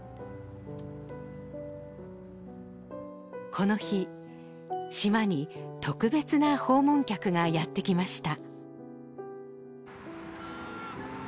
この日島に特別な訪問客がやってきました